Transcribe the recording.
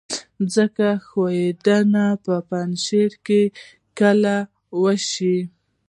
ځمکې ښویدنه په پنجشیر کې کله وشوه؟